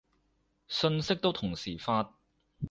信息都同時發